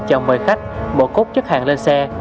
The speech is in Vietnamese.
cho mời khách mở cốt chất hàng lên xe